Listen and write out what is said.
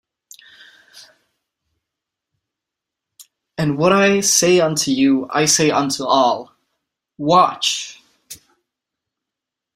And what I say unto you, I say unto all, Watch!